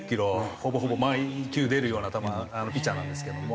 ほぼほぼ毎球出るようなピッチャーなんですけれども。